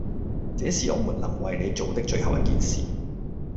這是我們能為你做的最後一件事！